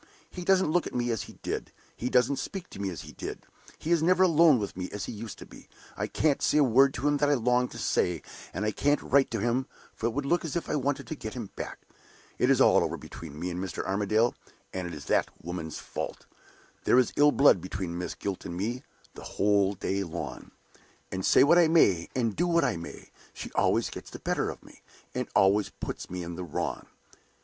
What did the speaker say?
He doesn't look at me as he did; he doesn't speak to me as he did; he is never alone with me as he used to be; I can't say the words to him that I long to say; and I can't write to him, for it would look as if I wanted to get him back. It is all over between me and Mr. Armadale; and it is that woman's fault. There is ill blood between Miss Gwilt and me the whole day long; and say what I may, and do what I may, she always gets the better of me, and always puts me in the wrong.